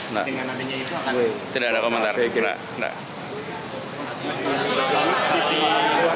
enggak maksudnya dengan adanya itu akan tidak ada komentar